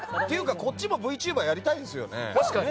こっちもＶＴｕｂｅｒやりたいですよね。